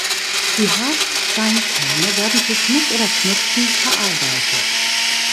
Die harten Steinkerne werden zu Schmuck oder Knöpfen verarbeitet.